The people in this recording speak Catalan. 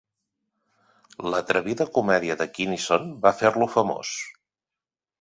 L'atrevida comèdia de Kinison va fer-lo famós.